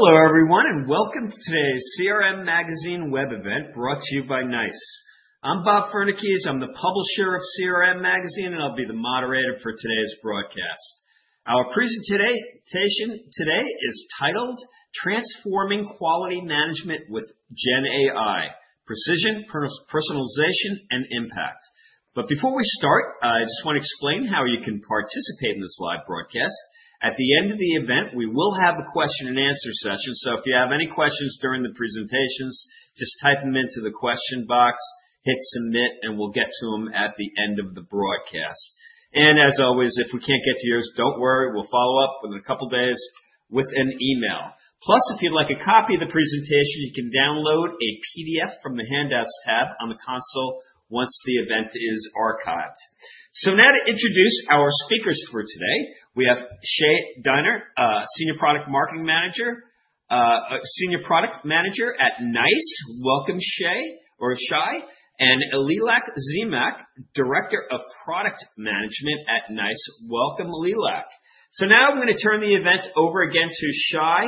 Hello everyone and welcome to today's CRM Magazine web event brought to you by NICE. I'm Bob Fernekees. I'm the Publisher of CRM Magazine, and I'll be the Moderator for today's broadcast. Our presentation today is titled "Transforming Quality Management with GenAI: Precision, Personalization, and Impact." But before we start, I just want to explain how you can participate in this live broadcast. At the end of the event, we will have a question-and-answer session, so if you have any questions during the presentations, just type them into the question box, hit submit, and we'll get to them at the end of the broadcast, and as always, if we can't get to yours, don't worry, we'll follow up in a couple of days with an email. Plus, if you'd like a copy of the presentation, you can download a PDF from the handouts tab on the console once the event is archived. So now to introduce our speakers for today, we have Shay Diner, Senior Product Marketing Manager, Senior Product Manager at NICE. Welcome, Shay, or Shay, and Lilach Zemach, Director of Product Management at NICE. Welcome, Lilach. So now I'm going to turn the event over again to Shay,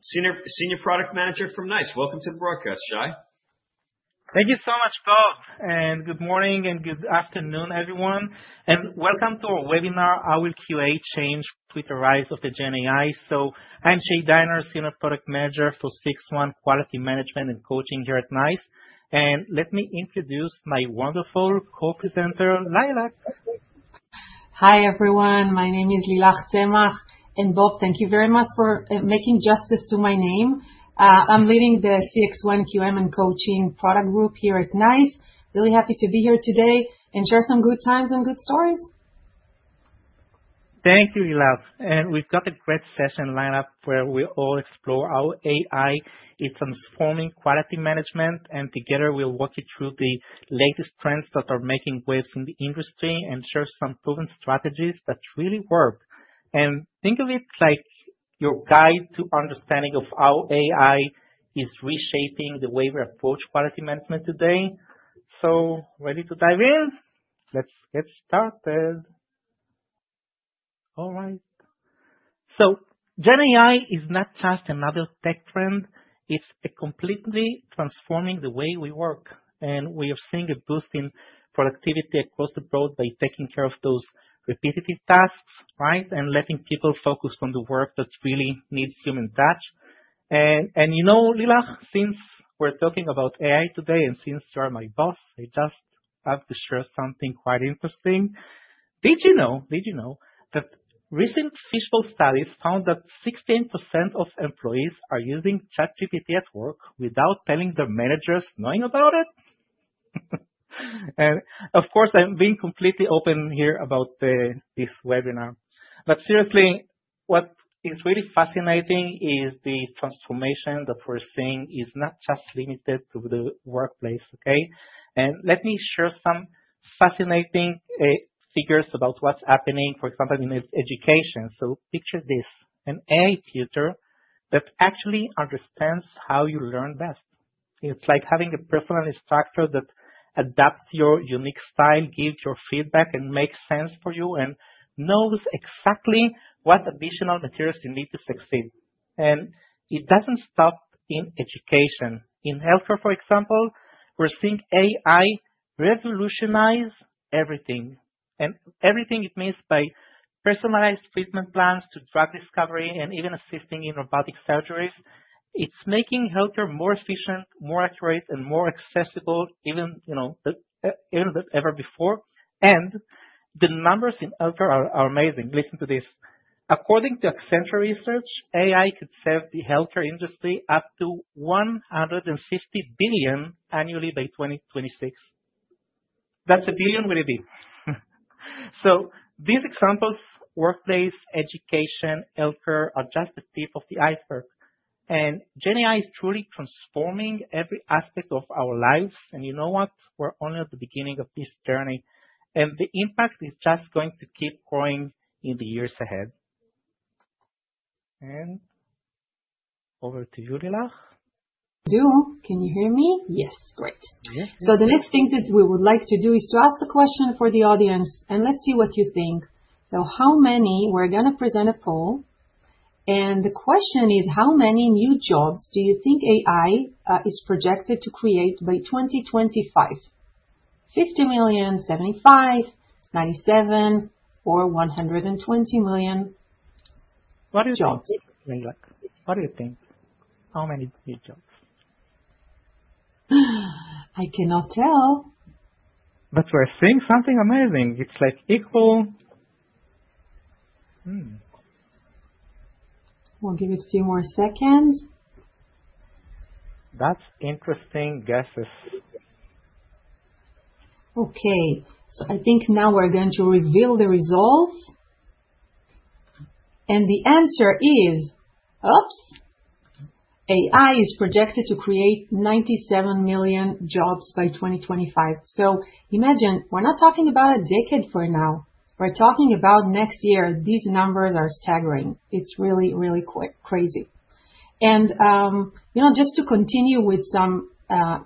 Senior Product Manager from NICE. Welcome to the broadcast, Shay. Thank you so much, Bob, and good morning and good afternoon, everyone, and welcome to our webinar, "How will QA change with the rise of the GenAI?" So I'm Shay Diner, Senior Product Manager for CXone Quality Management and Coaching here at NICE. And let me introduce my wonderful co-presenter, Lilach. Hi everyone, my name is Lilach Zemach, and Bob, thank you very much for making justice to my name. I'm leading the CXone QM and Coaching product group here at NICE. Really happy to be here today and share some good times and good stories. Thank you, Lilach. We've got a great session lined up where we all explore how AI is transforming quality management, and together we'll walk you through the latest trends that are making waves in the industry and share some proven strategies that really work. Think of it like your guide to understanding of how AI is reshaping the way we approach quality management today. Ready to dive in? Let's get started. All right. GenAI is not just another tech trend. It's completely transforming the way we work, and we are seeing a boost in productivity across the board by taking care of those repetitive tasks, right, and letting people focus on the work that really needs human touch. You know, Lilach, since we're talking about AI today and since you are my boss, I just have to share something quite interesting. Did you know, did you know that recent Fishbowl studies found that 16% of employees are using ChatGPT at work without their managers knowing about it? And of course, I'm being completely open here about this webinar. But seriously, what is really fascinating is the transformation that we're seeing is not just limited to the workplace, okay? And let me share some fascinating figures about what's happening, for example, in education. So picture this: an AI tutor that actually understands how you learn best. It's like having a personal instructor that adapts to your unique style, gives you feedback, and makes sense for you, and knows exactly what additional materials you need to succeed. And it doesn't stop in education. In healthcare, for example, we're seeing AI revolutionize everything. And everything from personalized treatment plans to drug discovery and even assisting in robotic surgeries. It's making healthcare more efficient, more accurate, and more accessible even than ever before, and the numbers in healthcare are amazing. Listen to this. According to Accenture Research, AI could save the healthcare industry up to $150 billion annually by 2026. That's a billion with a B, so these examples: workplace, education, healthcare are just the tip of the iceberg, and GenAI is truly transforming every aspect of our lives. And you know what? We're only at the beginning of this journey, and the impact is just going to keep growing in the years ahead, and over to you, Lilach? Hello? Can you hear me? Yes, great. So the next thing that we would like to do is to ask a question for the audience, and let's see what you think. So how many? We're going to present a poll, and the question is, how many new jobs do you think AI is projected to create by 2025? 50 million? 75? 97? Or 120 million jobs? What do you think? How many new jobs? I cannot tell. But we're seeing something amazing. It's like equal. We'll give it a few more seconds. That's interesting guesses. Okay, so I think now we're going to reveal the results, and the answer is, oops, AI is projected to create 97 million jobs by 2025, so imagine, we're not talking about a decade for now. We're talking about next year. These numbers are staggering. It's really, really crazy, and you know, just to continue with some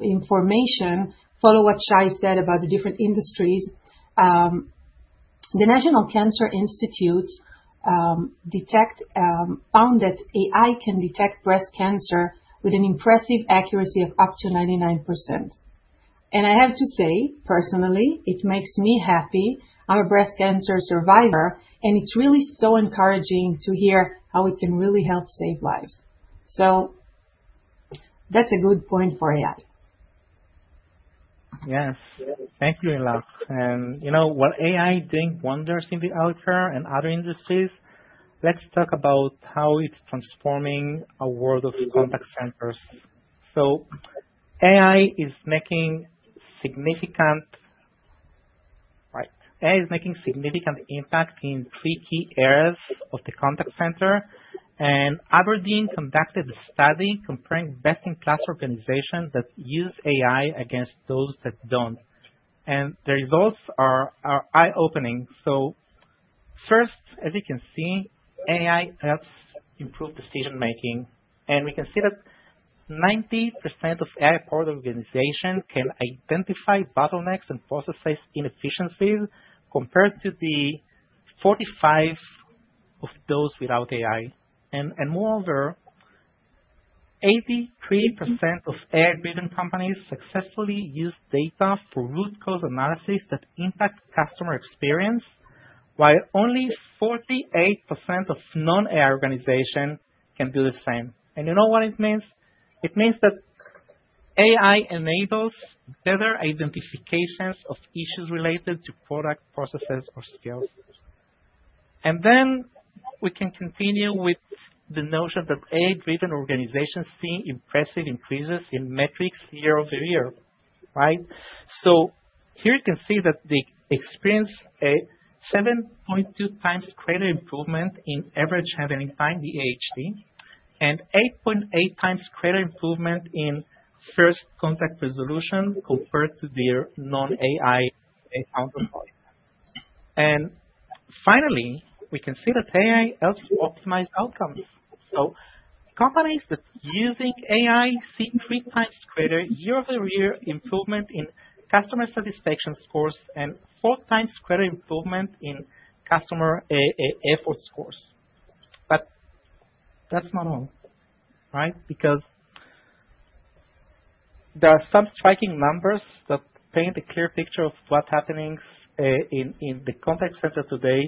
information, follow what Shay said about the different industries. The National Cancer Institute found that AI can detect breast cancer with an impressive accuracy of up to 99%, and I have to say, personally, it makes me happy. I'm a breast cancer survivor, and it's really so encouraging to hear how it can really help save lives, so that's a good point for AI. Yes, thank you, Lilach. And you know, while AI is doing wonders in the healthcare and other industries, let's talk about how it's transforming our world of contact centers. So AI is making significant impact in three key areas of the contact center. And Aberdeen conducted a study comparing best-in-class organizations that use AI against those that don't. And the results are eye-opening. So first, as you can see, AI helps improve decision-making. And we can see that 90% of AI-powered organizations can identify bottlenecks and process inefficiencies compared to the 45% of those without AI. And moreover, 83% of AI-driven companies successfully use data for root cause analysis that impacts customer experience, while only 48% of non-AI organizations can do the same. And you know what it means? It means that AI enables better identifications of issues related to product processes or skills. And then we can continue with the notion that AI-driven organizations see impressive increases in metrics year-over-year, right? So here you can see that they experience a 7.2x greater improvement in average handling time, the AHT, and 8.8x greater improvement in first contact resolution compared to their non-AI counterpart. And finally, we can see that AI helps optimize outcomes. So companies that are using AI see 3x greater year-over-year improvement in customer satisfaction scores and four times greater improvement in customer effort scores. But that's not all, right? Because there are some striking numbers that paint a clear picture of what's happening in the contact center today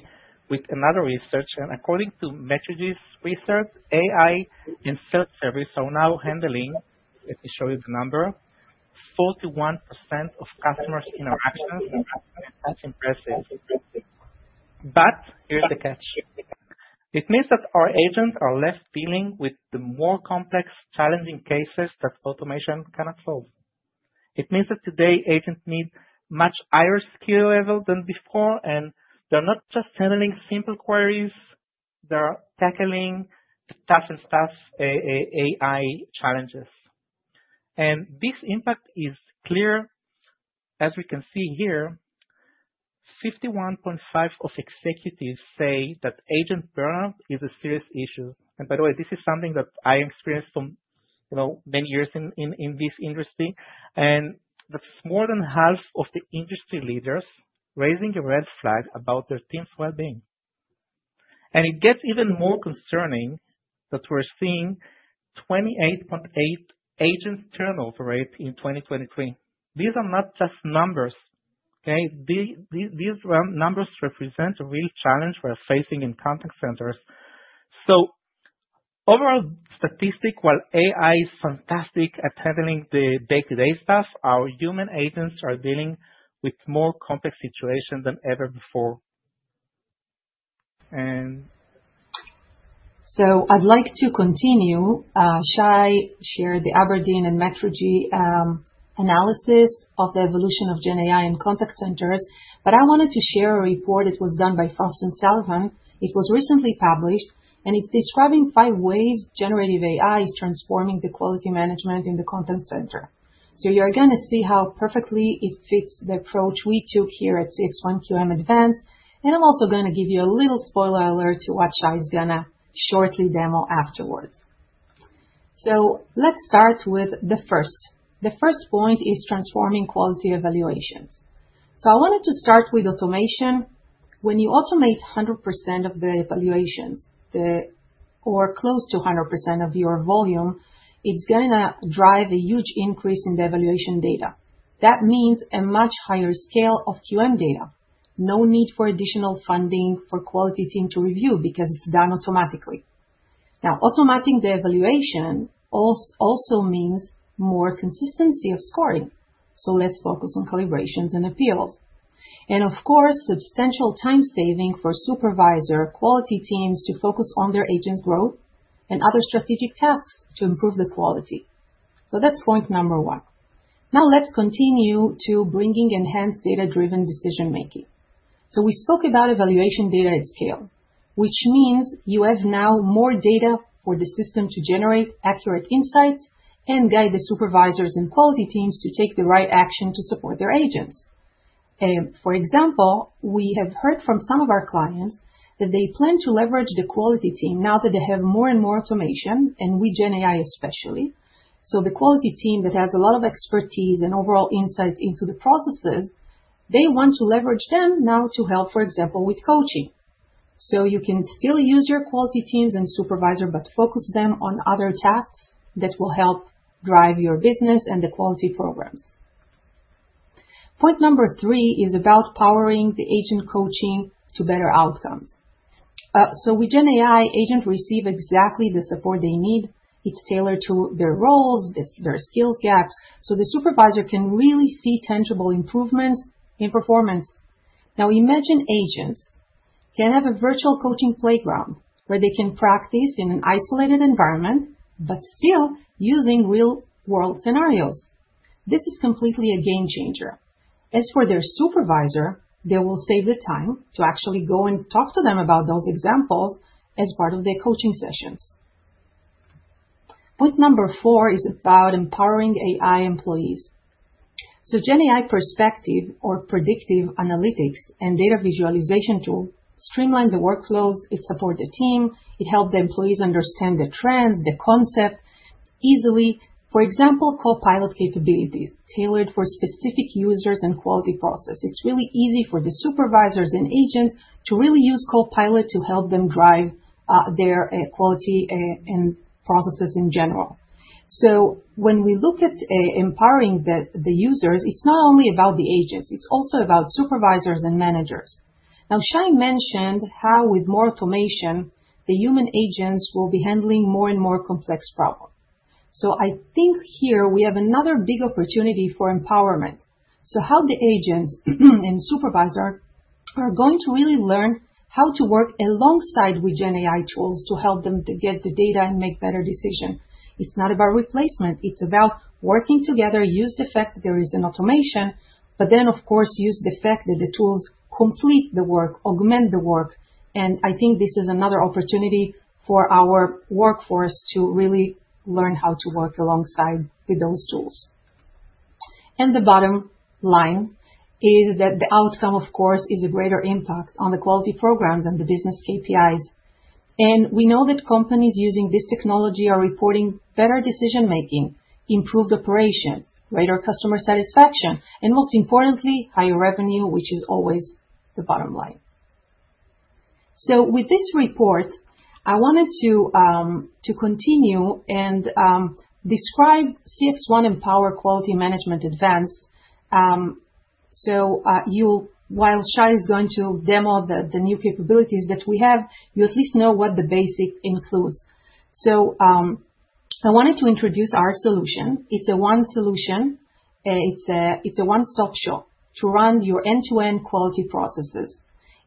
with another research. And according to Metrigy's research, AI and self-service are now handling, let me show you the number, 41% of customers' interactions. That's impressive. But here's the catch. It means that our agents are less dealing with the more complex, challenging cases that automation cannot solve. It means that today agents need a much higher skill level than before, and they're not just handling simple queries. They're tackling the tough stuff AI challenges. And this impact is clear, as we can see here. 51.5% of executives say that agent burnout is a serious issue. And by the way, this is something that I experienced for many years in this industry. And that's more than half of the industry leaders raising a red flag about their team's well-being. And it gets even more concerning that we're seeing 28.8% agent turnover rate in 2023. These are not just numbers, okay? These numbers represent a real challenge we're facing in contact centers. So overall statistic, while AI is fantastic at handling the day-to-day stuff, our human agents are dealing with more complex situations than ever before. I'd like to continue. Shay shared the Aberdeen and Metrigy analysis of the evolution of GenAI in contact centers, but I wanted to share a report that was done by Frost & Sullivan. It was recently published, and it's describing five ways generative AI is transforming the quality management in the contact center. You're going to see how perfectly it fits the approach we took here at CXone QM Advanced. And I'm also going to give you a little spoiler alert to what Shay is going to shortly demo afterwards. Let's start with the first. The first point is transforming quality evaluations. I wanted to start with automation. When you automate 100% of the evaluations, or close to 100% of your volume, it's going to drive a huge increase in the evaluation data. That means a much higher scale of QM data. No need for additional funding for quality teams to review because it's done automatically. Now, automating the evaluation also means more consistency of scoring. So, less focus on calibrations and appeals. And of course, substantial time saving for supervisor quality teams to focus on their agent growth and other strategic tasks to improve the quality. So that's point number one. Now let's continue to bring in enhanced data-driven decision-making. So we spoke about evaluation data at scale, which means you have now more data for the system to generate accurate insights and guide the supervisors and quality teams to take the right action to support their agents. For example, we have heard from some of our clients that they plan to leverage the quality team now that they have more and more automation, and with GenAI especially. So the quality team that has a lot of expertise and overall insights into the processes, they want to leverage them now to help, for example, with coaching. So you can still use your quality teams and supervisor, but focus them on other tasks that will help drive your business and the quality programs. Point number three is about powering the agent coaching to better outcomes. So with GenAI, agents receive exactly the support they need. It's tailored to their roles, their skills gaps, so the supervisor can really see tangible improvements in performance. Now, imagine agents can have a virtual coaching playground where they can practice in an isolated environment, but still using real-world scenarios. This is completely a game changer. As for their supervisor, they will save the time to actually go and talk to them about those examples as part of their coaching sessions. Point number four is about empowering AI employees. So GenAI perspective, or predictive analytics and data visualization tool, streamlines the workflows. It supports the team. It helps the employees understand the trends, the concept easily. For example, Copilot capabilities tailored for specific users and quality processes. It's really easy for the supervisors and agents to really use Copilot to help them drive their quality and processes in general. So when we look at empowering the users, it's not only about the agents. It's also about supervisors and managers. Now, Shay mentioned how with more automation, the human agents will be handling more and more complex problems. So I think here we have another big opportunity for empowerment. So how the agents and supervisors are going to really learn how to work alongside with GenAI tools to help them to get the data and make better decisions? It's not about replacement. It's about working together, use the fact that there is an automation, but then, of course, use the fact that the tools complete the work, augment the work. And I think this is another opportunity for our workforce to really learn how to work alongside with those tools. And the bottom line is that the outcome, of course, is a greater impact on the quality programs and the business KPIs. And we know that companies using this technology are reporting better decision-making, improved operations, greater customer satisfaction, and most importantly, higher revenue, which is always the bottom line. So with this report, I wanted to continue and describe CXone Mpower Quality Management Advanced. So while Shay is going to demo the new capabilities that we have, you at least know what the basic includes. So I wanted to introduce our solution. It's a one solution. It's a one-stop shop to run your end-to-end quality processes,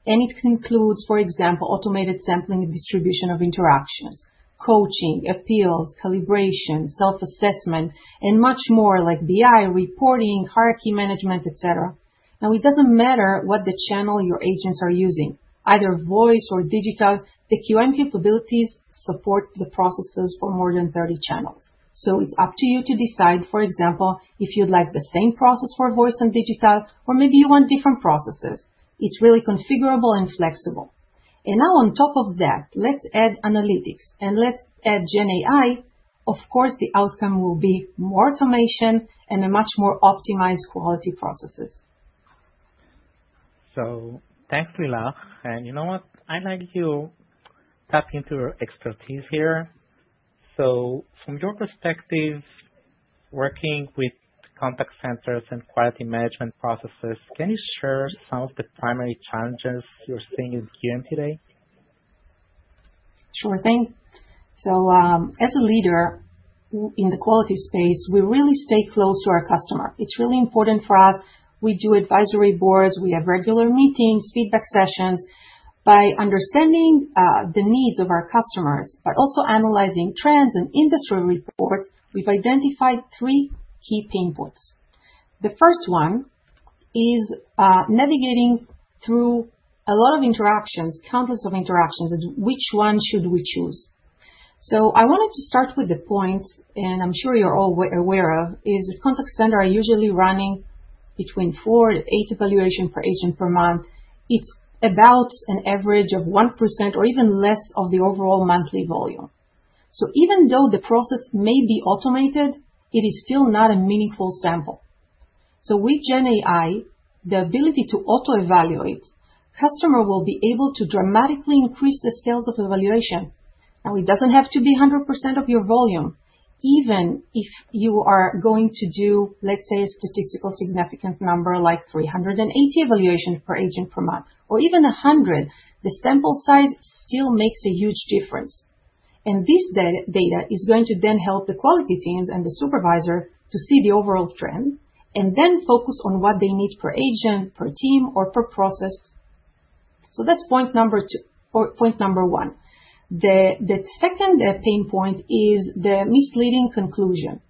and it includes, for example, automated sampling and distribution of interactions, coaching, appeals, calibration, self-assessment, and much more like BI reporting, hierarchy management, etc. Now, it doesn't matter what the channel your agents are using, either voice or digital. The QM capabilities support the processes for more than 30 channels, so it's up to you to decide, for example, if you'd like the same process for voice and digital, or maybe you want different processes. It's really configurable and flexible, and now, on top of that, let's add analytics and let's add GenAI. Of course, the outcome will be more automation and a much more optimized quality processes. So thanks, Lilach. And you know what? I'd like you to tap into your expertise here. So from your perspective, working with contact centers and quality management processes, can you share some of the primary challenges you're seeing in QM today? Sure thing, so as a leader in the quality space, we really stay close to our customer. It's really important for us. We do advisory boards. We have regular meetings, feedback sessions. By understanding the needs of our customers, but also analyzing trends and industry reports, we've identified three key pain points. The first one is navigating through a lot of interactions, countless interactions, and which one should we choose, so I wanted to start with the point, and I'm sure you're all aware of, is a contact center is usually running between four to eight evaluations per agent per month. It's about an average of 1% or even less of the overall monthly volume. So even though the process may be automated, it is still not a meaningful sample, so with GenAI, the ability to Auto-Evaluate, the customer will be able to dramatically increase the scales of evaluation. Now, it doesn't have to be 100% of your volume. Even if you are going to do, let's say, a statistically significant number like 380 evaluations per agent per month, or even 100, the sample size still makes a huge difference. And this data is going to then help the quality teams and the supervisor to see the overall trend and then focus on what they need per agent, per team, or per process. So that's point number two, or point number one. The second pain point is the misleading conclusion.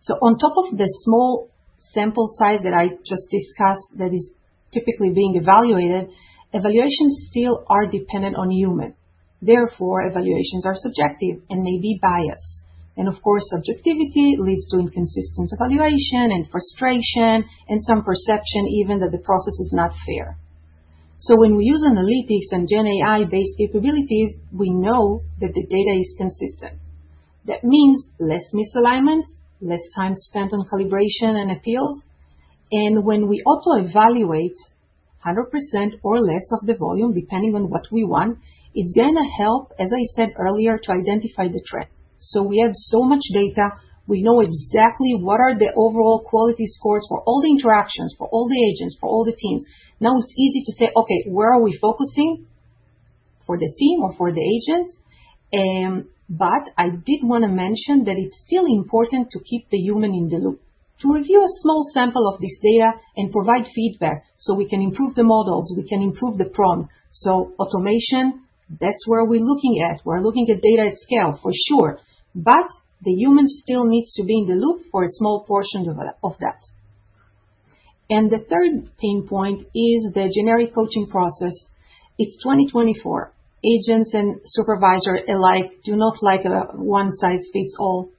So on top of the small sample size that I just discussed that is typically being evaluated, evaluations still are dependent on human. Therefore, evaluations are subjective and may be biased. And of course, subjectivity leads to inconsistent evaluation and frustration and some perception even that the process is not fair. When we use analytics and GenAI-based capabilities, we know that the data is consistent. That means less misalignment, less time spent on calibration and appeals. When we Auto-Evaluate 100% or less of the volume, depending on what we want, it's going to help, as I said earlier, to identify the trend. We have so much data. We know exactly what are the overall quality scores for all the interactions, for all the agents, for all the teams. Now, it's easy to say, "Okay, where are we focusing? For the team or for the agents?" I did want to mention that it's still important to keep the human in the loop, to review a small sample of this data and provide feedback so we can improve the models, we can improve the prompt. Automation, that's where we're looking at. We're looking at data at scale, for sure. But the human still needs to be in the loop for a small portion of that. And the third pain point is the generic coaching process. It's 2024. Agents and supervisors alike do not like a one-size-fits-all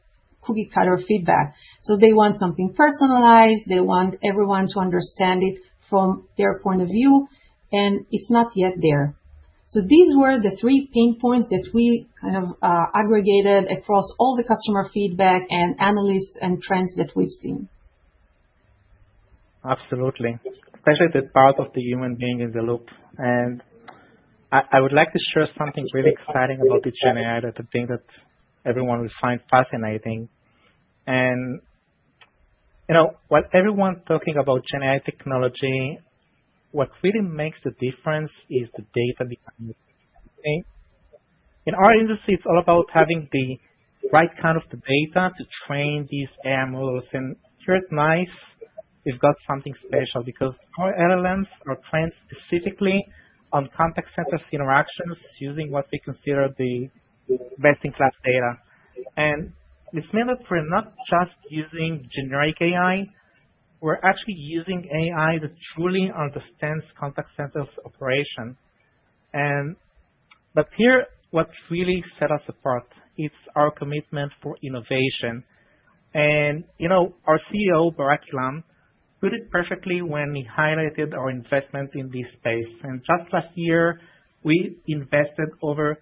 cookie-cutter feedback. So they want something personalized. They want everyone to understand it from their point of view. And it's not yet there. So these were the three pain points that we kind of aggregated across all the customer feedback and analysts and trends that we've seen. Absolutely. Especially the part of the human being in the loop. And I would like to share something really exciting about the GenAI that I think that everyone will find fascinating. And while everyone's talking about GenAI technology, what really makes the difference is the data behind it. In our industry, it's all about having the right kind of data to train these AI models. And here at NICE, we've got something special because our LLMs are trained specifically on contact centers' interactions using what we consider the best-in-class data. And this means that we're not just using generic AI. We're actually using AI that truly understands contact centers' operations. But here, what really sets us apart is our commitment for innovation. And our CEO, Barak Eilam, put it perfectly when he highlighted our investment in this space. Just last year, we invested over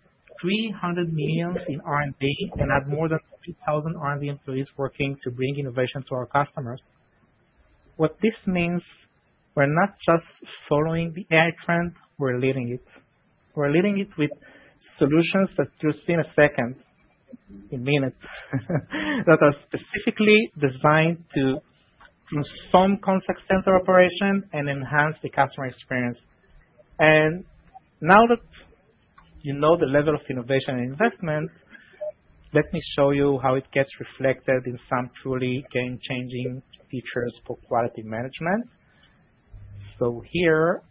$300 million in R&D and had more than 2,000 R&D employees working to bring innovation to our customers. What this means, we're not just following the AI trend. We're leading it. We're leading it with solutions that you'll see in a second, in minutes, that are specifically designed to transform contact center operations and enhance the customer experience. And now that you know the level of innovation and investment, let me show you how it gets reflected in some truly game-changing features for quality management. So here,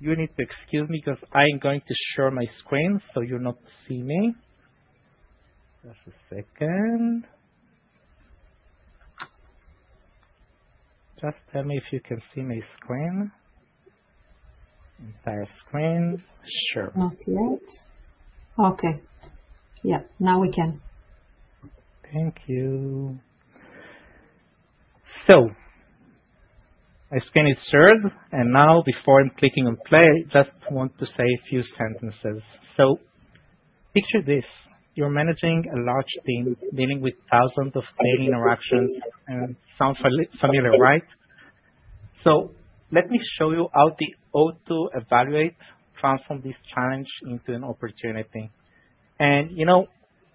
you need to excuse me because I'm going to share my screen so you'll not see me. Just a second. Just tell me if you can see my screen. Entire screen. Sure. Not yet. Okay. Yeah. Now we can. Thank you, so my screen is shared, and now, before I'm clicking on play, I just want to say a few sentences, so picture this. You're managing a large team dealing with thousands of daily interactions, and it sounds familiar, right, so let me show you how the Auto-Evaluate transformed this challenge into an opportunity, and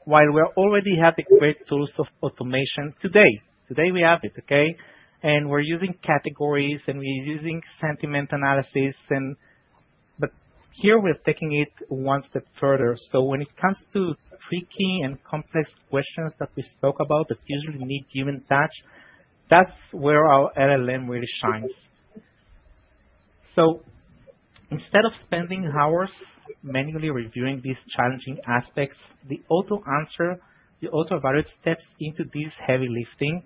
while we already have the great tools of automation today, today we have it, okay, and we're using categories and we're using sentiment analysis, but here, we're taking it one step further, so when it comes to tricky and complex questions that we spoke about that usually need human touch, that's where our LLM really shines, so instead of spending hours manually reviewing these challenging aspects, the Auto-Answer, the Auto-Evaluate steps into this heavy lifting.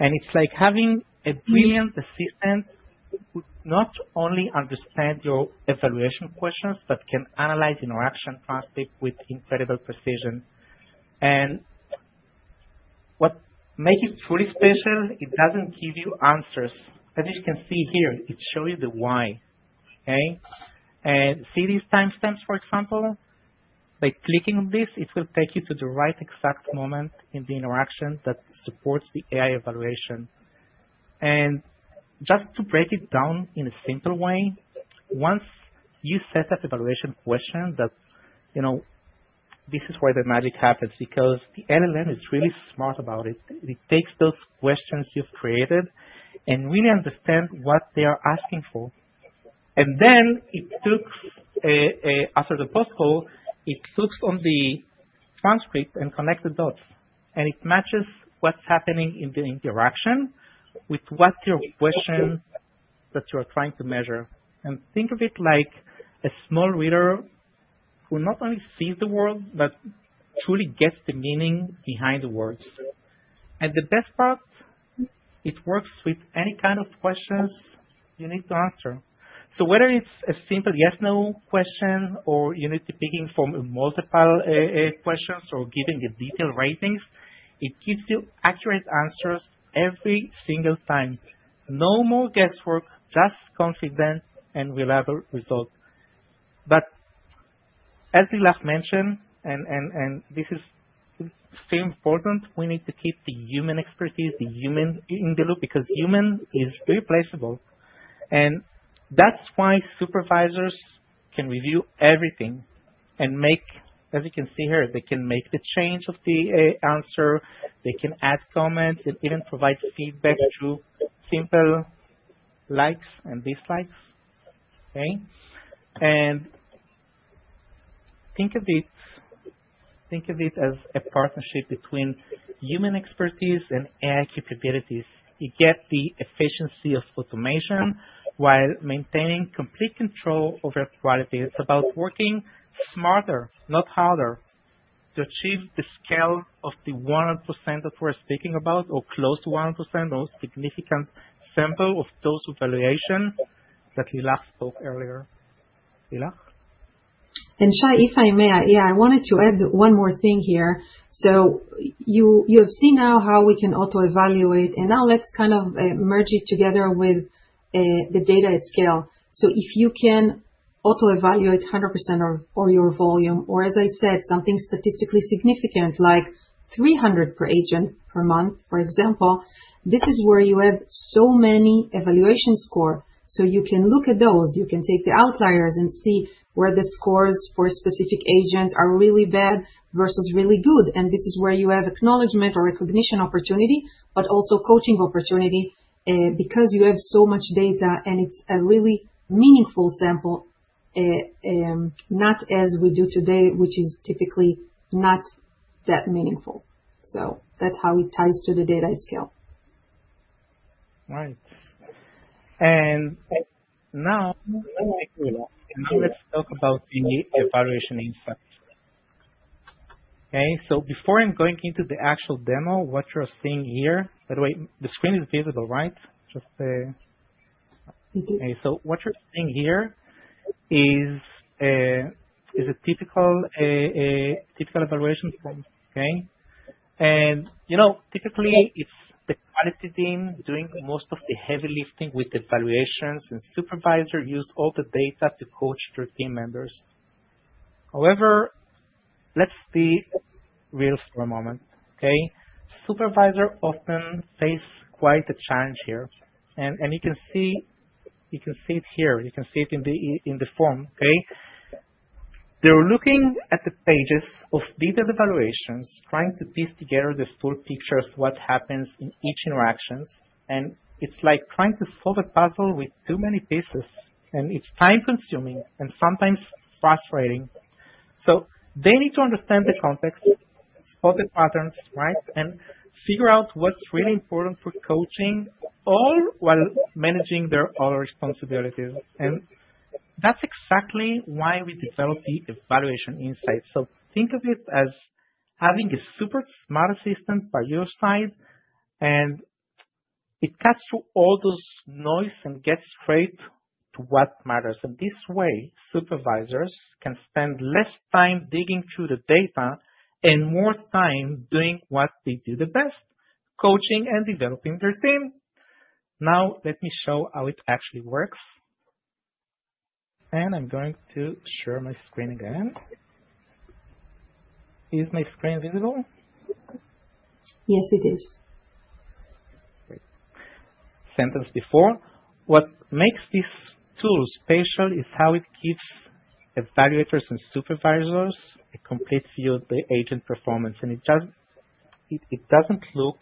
It's like having a brilliant assistant who not only understands your evaluation questions, but can analyze interaction transcript with incredible precision. What makes it truly special is that it doesn't give you answers. As you can see here, it shows you the why? Okay? See these timestamps, for example? By clicking on this, it will take you to the right exact moment in the interaction that supports the AI evaluation. Just to break it down in a simple way, once you set up evaluation questions, this is where the magic happens because the LLM is really smart about it. It takes those questions you've created and really understands what they are asking for. Then it looks after the post-call. It looks on the transcript and connects the dots. It matches what's happening in the interaction with what your question that you're trying to measure. And think of it like a small reader who not only sees the words, but truly gets the meaning behind the words. And the best part, it works with any kind of questions you need to answer. So whether it's a simple yes/no question, or you need to pick from multiple questions, or giving detailed ratings, it gives you accurate answers every single time. No more guesswork, just confident and reliable result. But as Lilach mentioned, and this is still important, we need to keep the human expertise, the human in the loop because human is irreplaceable. And that's why supervisors can review everything and make, as you can see here, they can make the change of the answer. They can add comments and even provide feedback through simple likes and dislikes. Okay? And think of it as a partnership between human expertise and AI capabilities. You get the efficiency of automation while maintaining complete control over quality. It's about working smarter, not harder, to achieve the scale of the 1% that we're speaking about, or close to 1%, or a significant sample of those evaluations that Lilach spoke earlier. Lilach? Shay, if I may, yeah, I wanted to add one more thing here. You have seen now how we can Auto-Evaluate. Now let's kind of merge it together with the data at scale. If you can Auto-Evaluate 100% of your volume, or as I said, something statistically significant like 300 per agent per month, for example, this is where you have so many evaluation scores. You can look at those. You can take the outliers and see where the scores for specific agents are really bad versus really good. This is where you have acknowledgment or recognition opportunity, but also coaching opportunity because you have so much data and it's a really meaningful sample, not as we do today, which is typically not that meaningful. That's how it ties to the data at scale. Right. And now, let's talk about the Evaluation Insights. Okay? So before I'm going into the actual demo, what you're seeing here, by the way, the screen is visible, right? Just. It is. Okay. So what you're seeing here is a typical evaluation form. Okay? And typically, it's the quality team doing most of the heavy lifting with evaluations, and supervisors use all the data to coach their team members. However, let's be real for a moment. Okay? Supervisors often face quite a challenge here. And you can see it here. You can see it in the form. Okay? They're looking at the pages of these evaluations, trying to piece together the full picture of what happens in each interaction. And it's like trying to solve a puzzle with too many pieces. And it's time-consuming and sometimes frustrating. So they need to understand the context, spot the patterns, right, and figure out what's really important for coaching while managing their other responsibilities. And that's exactly why we develop the Evaluation Insights. So think of it as having a super smart assistant by your side, and it cuts through all those noise and gets straight to what matters. And this way, supervisors can spend less time digging through the data and more time doing what they do the best, coaching and developing their team. Now, let me show how it actually works. And I'm going to share my screen again. Is my screen visible? Yes, it is. Great. Sentence before. What makes this tool special is how it gives evaluators and supervisors a complete view of the agent performance, and it doesn't look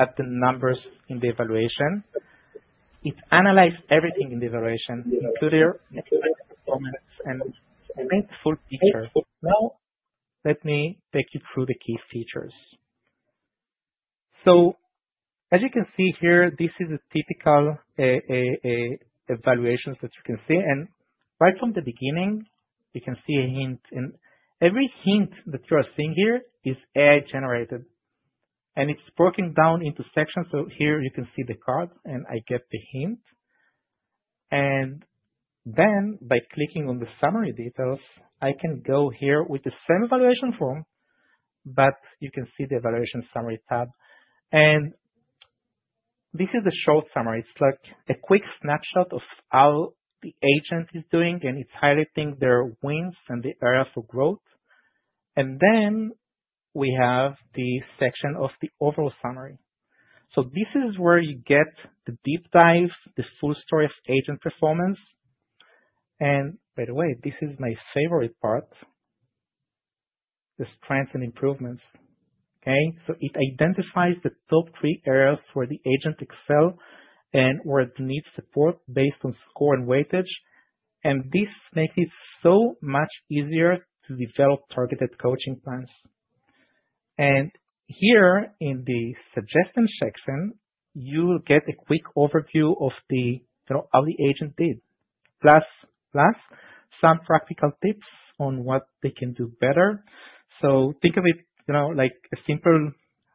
at the numbers in the evaluation. It analyzes everything in the evaluation, including performance and the full picture. Now, let me take you through the key features so as you can see here, this is a typical evaluation that you can see, and right from the beginning, you can see a hint, and every hint that you are seeing here is AI-generated, and it's broken down into sections, so here, you can see the card, and I get the hint. And then, by clicking on the summary details, I can go here with the same evaluation form, but you can see the Evaluation Summary tab, and this is the short summary. It's like a quick snapshot of how the agent is doing, and it's highlighting their wins and the areas for growth. And then we have the section of the Overall Summary. So this is where you get the deep dive, the full story of agent performance. And by the way, this is my favorite part, the Strengths and Improvements. Okay? So it identifies the top three areas where the agent excelled and where it needs support based on score and weightage. And here, in the Suggestions section, you will get a quick overview of how the agent did, plus some practical tips on what they can do better. So think of it like a simple,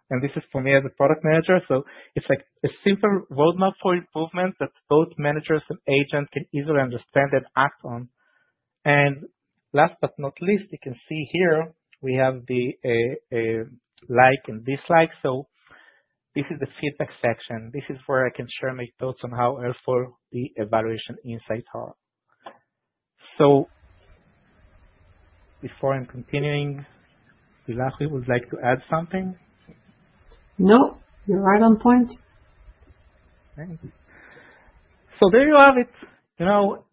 and this is for me as a product manager, so it's like a simple roadmap for improvement that both managers and agents can easily understand and act on. And last but not least, you can see here we have the Like and Dislike. So this is the feedback section. This is where I can share my thoughts on how helpful the Evaluation Insights are. So before I'm continuing, Lilach, would you like to add something? No, you're right on point. Thank you. So there you have it.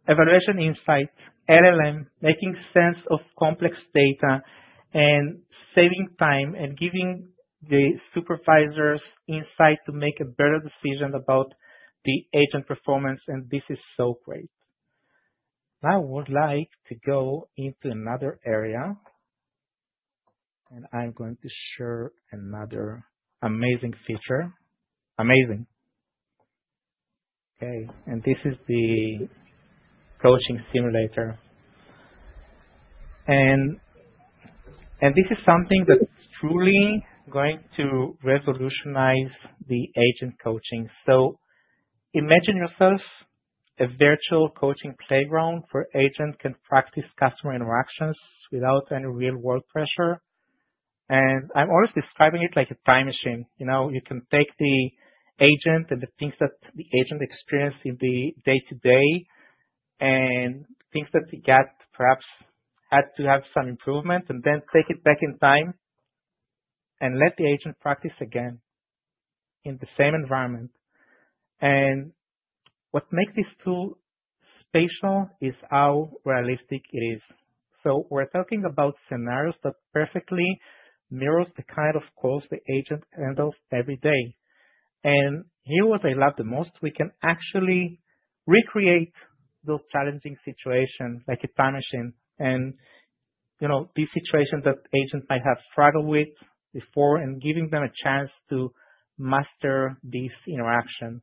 Evaluation Insights, LLM, making sense of complex data and saving time and giving the supervisors insight to make a better decision about the agent performance. And this is so great. Now I would like to go into another area. And I'm going to share another amazing feature. Amazing. Okay. And this is the Coaching Simulator. And this is something that's truly going to revolutionize the agent coaching. So imagine yourself a virtual coaching playground where agents can practice customer interactions without any real work pressure. And I'm always describing it like a time machine. You can take the agent and the things that the agent experienced in the day-to-day and things that they perhaps had to have some improvement, and then take it back in time and let the agent practice again in the same environment. What makes this tool special is how realistic it is. We're talking about scenarios that perfectly mirror the kind of calls the agent handles every day. Here's what I love the most. We can actually recreate those challenging situations like a time machine and these situations that agents might have struggled with before and giving them a chance to master this interaction.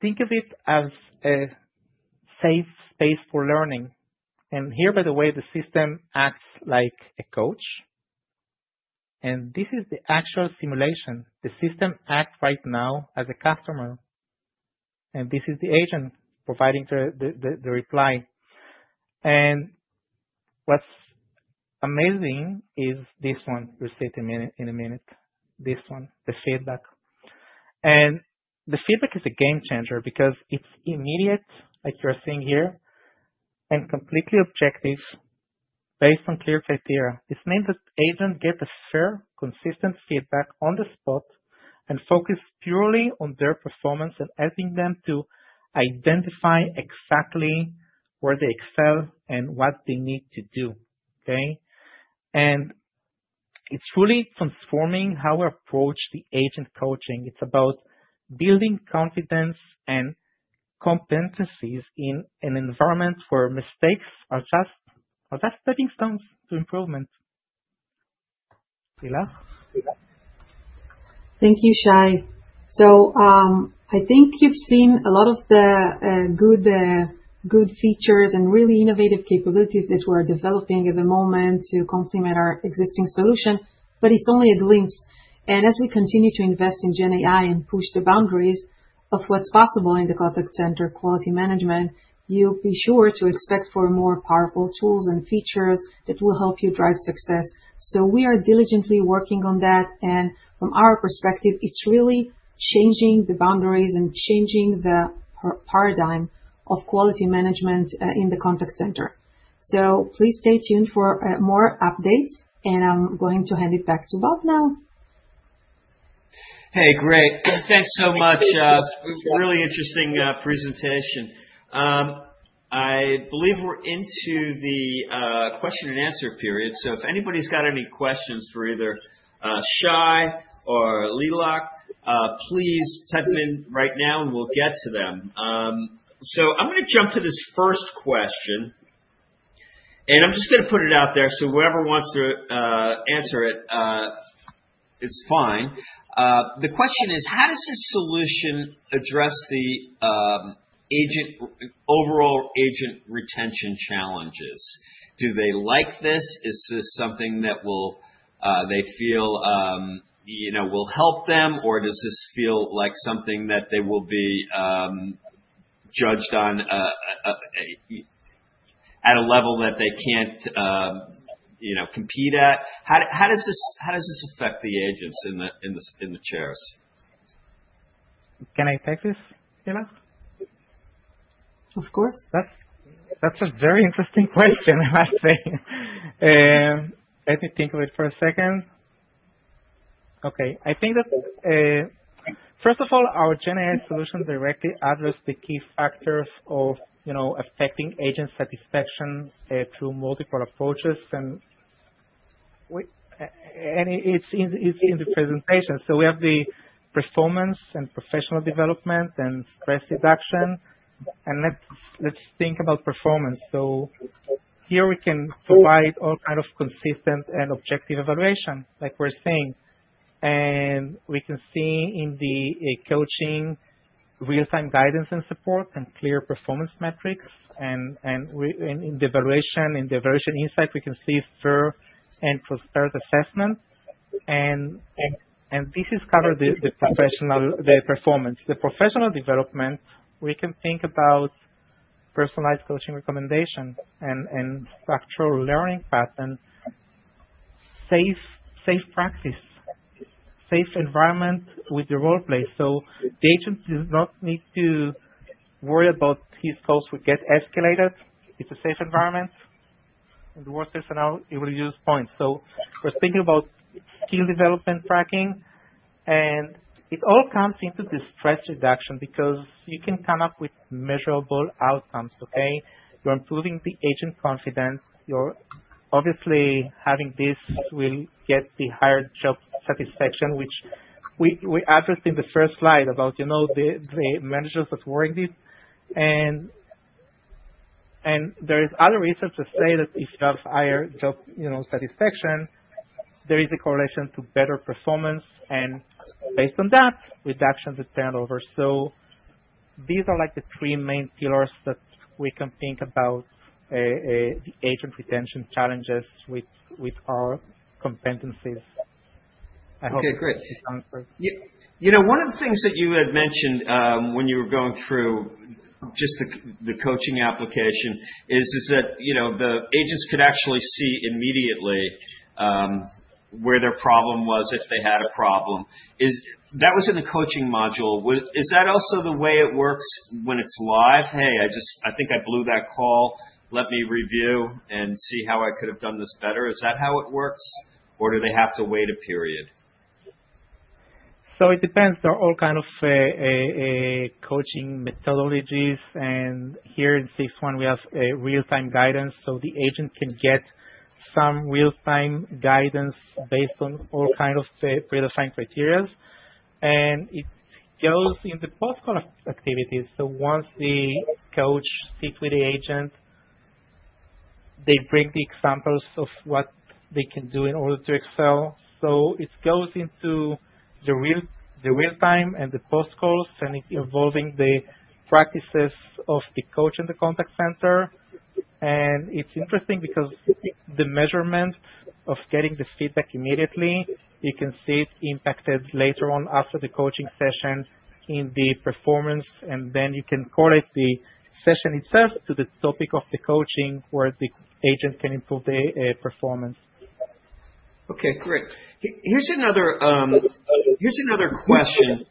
Think of it as a safe space for learning. Here, by the way, the system acts like a coach. This is the actual simulation. The system acts right now as a customer. This is the agent providing the reply. What's amazing is this one. We'll see it in a minute. This one, the feedback. The feedback is a game changer because it's immediate, like you're seeing here, and completely objective based on clear criteria. This means that agents get a fair, consistent feedback on the spot and focus purely on their performance and helping them to identify exactly where they excel and what they need to do. Okay? And it's truly transforming how we approach the agent coaching. It's about building confidence and competencies in an environment where mistakes are just stepping stones to improvement. Lilach? Thank you, Shay. So I think you've seen a lot of the good features and really innovative capabilities that we're developing at the moment to complement our existing solution. But it's only a glimpse. And as we continue to invest in GenAI and push the boundaries of what's possible in the contact center quality management, you'll be sure to expect more powerful tools and features that will help you drive success. So we are diligently working on that. And from our perspective, it's really changing the boundaries and changing the paradigm of quality management in the contact center. So please stay tuned for more updates. And I'm going to hand it back to Bob now. Hey, great. Thanks so much. Really interesting presentation. I believe we're into the question-and-answer period so if anybody's got any questions for either Shay or Lilach, please type them in right now, and we'll get to them so I'm going to jump to this first question and I'm just going to put it out there so whoever wants to answer it, it's fine. The question is, how does this solution address the overall agent retention challenges? Do they like this? Is this something that they feel will help them? Or does this feel like something that they will be judged on at a level that they can't compete at? How does this affect the agents in the chairs? Can I take this, Lilach? Of course. That's a very interesting question, I must say. Let me think of it for a second. Okay. I think that, first of all, our GenAI solution directly addressed the key factors of affecting agent satisfaction through multiple approaches, and it's in the presentation, so we have the performance and professional development and stress reduction, and let's think about performance, so here we can provide all kinds of consistent and objective evaluation, like we're seeing, and we can see in the coaching real-time guidance and support and clear performance metrics, and in the Evaluation Insight, we can see fair and transparent assessment, and this has covered the professional performance. The professional development, we can think about personalized coaching recommendations and structural learning patterns, safe practice, safe environment with the role play. So the agent does not need to worry about his calls would get escalated. It's a safe environment. And the worst-case scenario, he will lose points. So we're speaking about skill development tracking. And it all comes into the stress reduction because you can come up with measurable outcomes. Okay? You're improving the agent confidence. Obviously, having this will get the higher job satisfaction, which we addressed in the first slide about the managers that were in this. And there is other research that says that if you have higher job satisfaction, there is a correlation to better performance. And based on that, reduction of turnover. So these are like the three main pillars that we can think about the agent retention challenges with our competencies. I hope this answers. Okay. Great. One of the things that you had mentioned when you were going through just the coaching application is that the agents could actually see immediately where their problem was if they had a problem. That was in the coaching module. Is that also the way it works when it's live? "Hey, I think I blew that call. Let me review and see how I could have done this better." Is that how it works? Or do they have to wait a period? So it depends. There are all kinds of coaching methodologies. And here in this one, we have real-time guidance. So the agent can get some real-time guidance based on all kinds of predefined criteria. And it goes in the post-call activities. So once the coach speaks with the agent, they bring the examples of what they can do in order to excel. So it goes into the real-time and the post-calls, and it's involving the practices of the coach and the contact center. And it's interesting because the measurement of getting the feedback immediately, you can see it impacted later on after the coaching session in the performance. And then you can correlate the session itself to the topic of the coaching where the agent can improve their performance. Okay. Great. Here's another question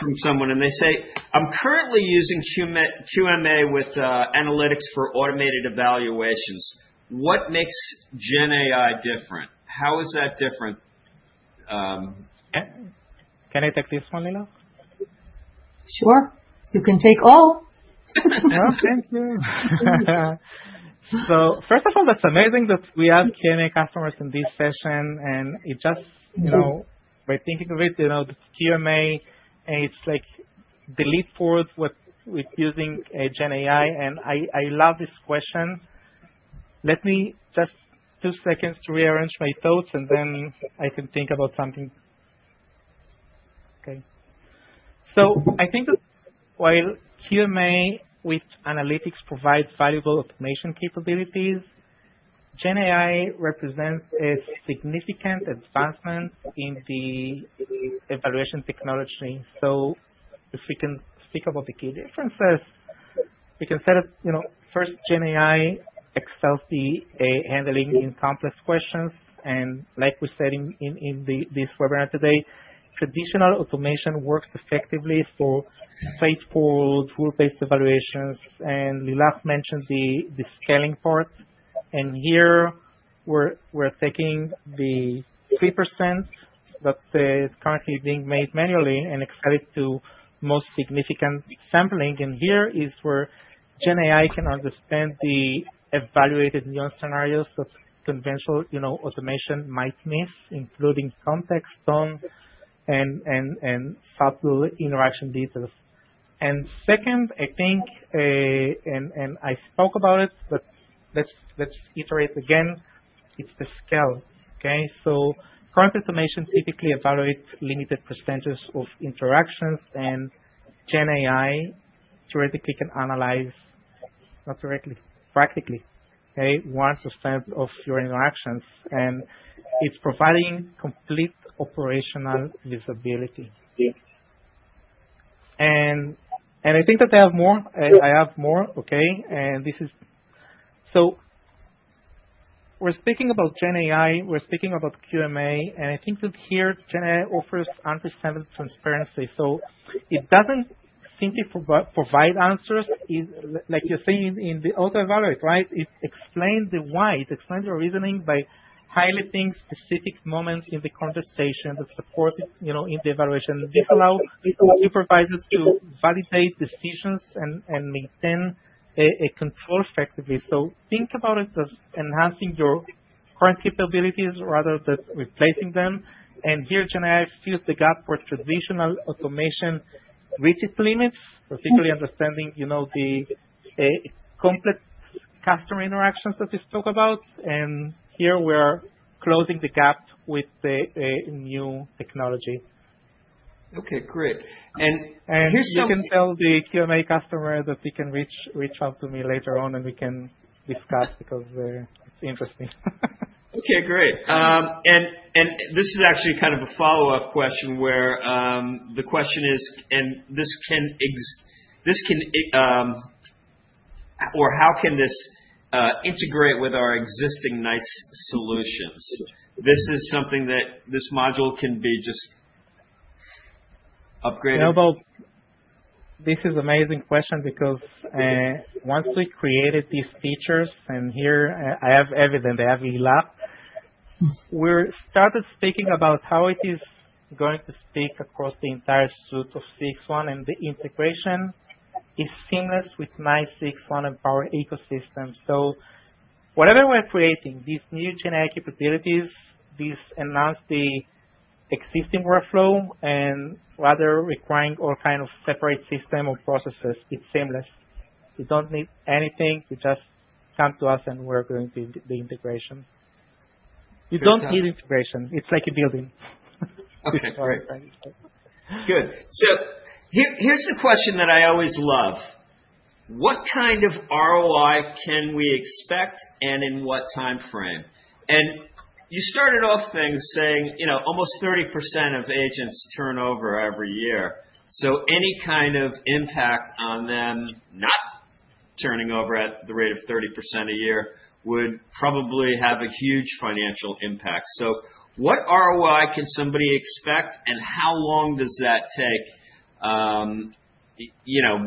from someone. And they say, "I'm currently using QMA with analytics for automated evaluations. What makes GenAI different? How is that different? Can I take this one, Lilach? Sure. You can take all. Oh, thank you. So first of all, that's amazing that we have QMA customers in this session, and just by thinking of it, QMA, it's like the leap forward with using GenAI. And I love this question. Let me just two seconds to rearrange my thoughts, and then I can think about something. Okay. So I think that while QMA with analytics provides valuable automation capabilities, GenAI represents a significant advancement in the evaluation technology. So if we can speak about the key differences, we can say that first, GenAI excels in handling complex questions. And like we said in this webinar today, traditional automation works effectively for faithful, rule-based evaluations. And Lilach mentioned the scaling part. And here, we're taking the 3% that is currently being made manually and excited to most significant sampling. Here is where GenAI can understand the evaluated scenarios that conventional automation might miss, including context tone and subtle interaction details. Second, I think, and I spoke about it, but let's iterate again, it's the scale. Okay? Current automation typically evaluates limited percentages of interactions. GenAI theoretically can analyze, not theoretically, practically, okay, 1% of your interactions. It's providing complete operational visibility. I think that I have more. I have more. Okay? This is, so we're speaking about GenAI. We're speaking about QMA. I think that here, GenAI offers unprecedented transparency. It doesn't simply provide answers, like you're saying in the Auto-Evaluate, right? It explains the why. It explains your reasoning by highlighting specific moments in the conversation that support it in the evaluation. This allows supervisors to validate decisions and maintain a control effectively. So think about it as enhancing your current capabilities rather than replacing them. And here, GenAI fills the gap where traditional automation reaches limits, particularly understanding the complex customer interactions that we spoke about. And here, we're closing the gap with the new technology. Okay. Great. And here's something. You can tell the QMA customer that they can reach out to me later on, and we can discuss because it's interesting. Okay. Great. And this is actually kind of a follow-up question where the question is, and this can—or how can this integrate with our existing NICE solutions? This is something that this module can be just upgraded? No, but this is an amazing question because once we created these features, and here I have evidence, I have Lilach, we started speaking about how it is going to speak across the entire suite of CXone. And the integration is seamless with my CXone Mpower ecosystem. So whatever we're creating, these new GenAI capabilities, these enhance the existing workflow and rather than requiring all kinds of separate systems or processes, it's seamless. You don't need anything. You just come to us, and we're going to do the integration. You don't need integration. It's like a building. Okay, all right, good, so here's the question that I always love. What kind of ROI can we expect, and in what timeframe? and you started off things saying almost 30% of agents turn over every year, so any kind of impact on them not turning over at the rate of 30% a year would probably have a huge financial impact, so what ROI can somebody expect, and how long does that take,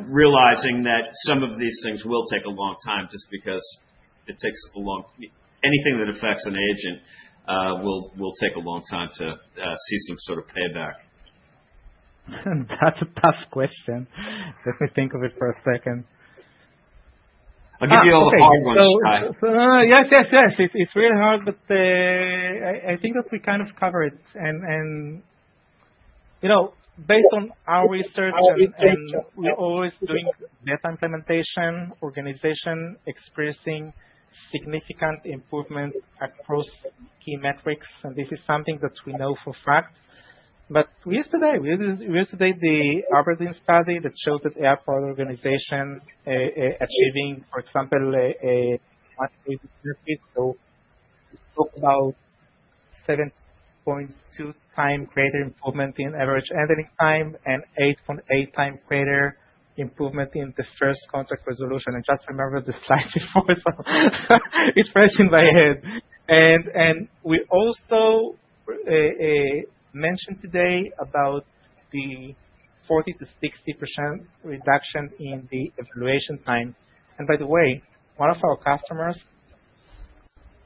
realizing that some of these things will take a long time just because it takes a long, anything that affects an agent will take a long time to see some sort of payback? That's a tough question. Let me think of it for a second. I'll give you all the hard ones, Shay. Yes, yes, yes. It's really hard, but I think that we kind of covered it. Based on our research, and we're always doing data implementation, organization expressing significant improvements across key metrics. This is something that we know for a fact. We used the Aberdeen study that showed that AI-powered organizations achieving, for example, a monetary benefit. We spoke about 7.2 times greater improvement in average handling time and 8.8 times greater improvement in the first contact resolution. Just remember the slide before. It's fresh in my head. We also mentioned today about the 40%-60% reduction in the evaluation time. By the way, one of our customers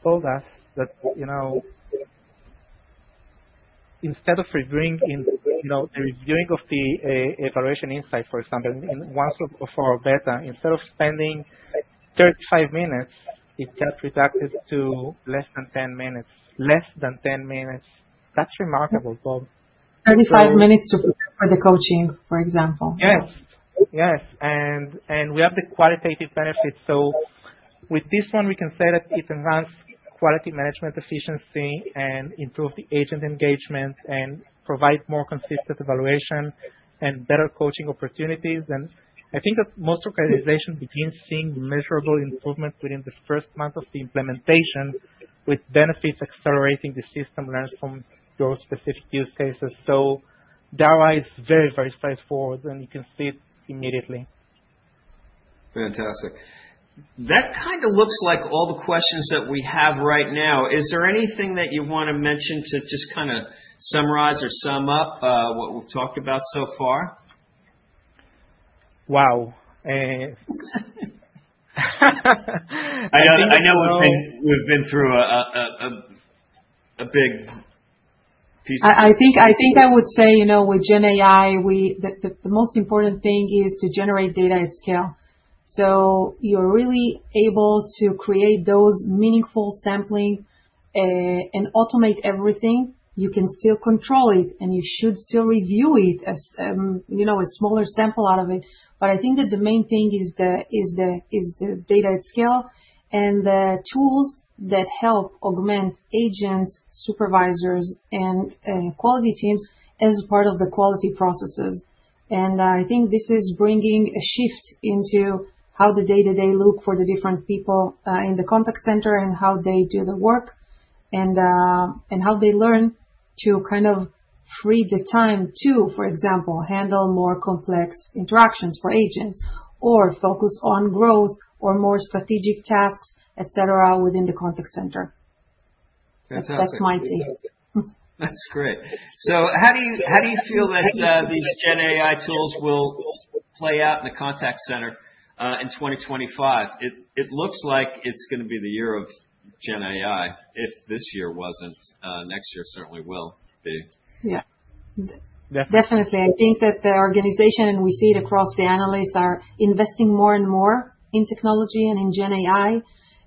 told us that instead of reviewing the review of the Evaluation Insights, for example, in one of our beta, instead of spending 35 minutes, it got reduced to less than 10 minutes. Less than 10 minutes. That's remarkable, Bob. 35 minutes to prepare for the coaching, for example. Yes. Yes, and we have the qualitative benefits, so with this one, we can say that it enhanced quality management efficiency and improved the agent engagement and provides more consistent evaluation and better coaching opportunities, and I think that most organizations begin seeing measurable improvement within the first month of the implementation, with benefits accelerating, the system learns from your specific use cases, so the ROI is very, very straightforward, and you can see it immediately. Fantastic. That kind of looks like all the questions that we have right now. Is there anything that you want to mention to just kind of summarize or sum up what we've talked about so far? Wow. I know we've been through a big piece of. I think I would say with GenAI, the most important thing is to generate data at scale, so you're really able to create those meaningful sampling and automate everything. You can still control it, and you should still review it as a smaller sample out of it, but I think that the main thing is the data at scale and the tools that help augment agents, supervisors, and quality teams as part of the quality processes, and I think this is bringing a shift into how the day-to-day look for the different people in the contact center and how they do the work and how they learn to kind of free the time to, for example, handle more complex interactions for agents or focus on growth or more strategic tasks, etc., within the contact center. Fantastic. That's my team. That's great. So how do you feel that these GenAI tools will play out in the contact center in 2025? It looks like it's going to be the year of GenAI if this year wasn't. Next year certainly will be. Yeah. Definitely. I think that the organization, and we see it across the analysts, are investing more and more in technology and in GenAI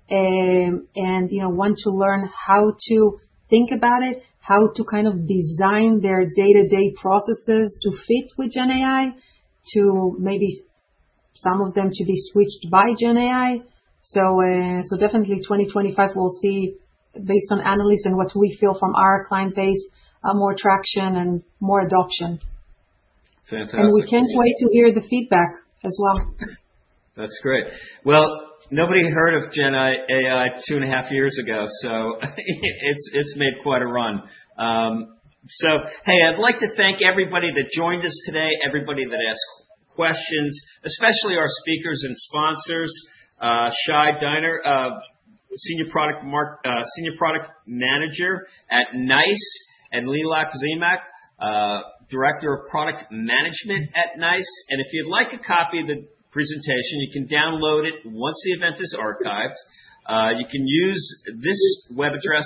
and want to learn how to think about it, how to kind of design their day-to-day processes to fit with GenAI, to maybe some of them to be switched by GenAI. So definitely, 2025, we'll see, based on analysts and what we feel from our client base, more traction and more adoption. Fantastic. We can't wait to hear the feedback as well. That's great. Well, nobody heard of GenAI two and a half years ago, so it's made quite a run. Hey, I'd like to thank everybody that joined us today, everybody that asked questions, especially our speakers and sponsors, Shay Diner, Senior Product Manager at NICE, and Lilach Zemach, Director of Product Management at NICE. If you'd like a copy of the presentation, you can download it once the event is archived. You can use this web address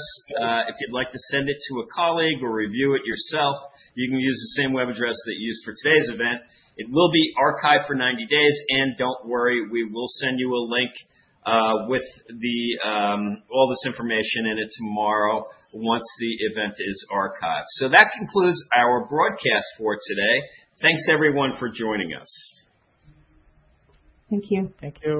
if you'd like to send it to a colleague or review it yourself. You can use the same web address that you used for today's event. It will be archived for 90 days. Don't worry, we will send you a link with all this information in it tomorrow once the event is archived. That concludes our broadcast for today. Thanks, everyone, for joining us. Thank you. Thank you.